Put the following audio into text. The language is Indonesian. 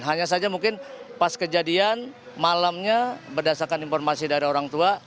hanya saja mungkin pas kejadian malamnya berdasarkan informasi dari orang tua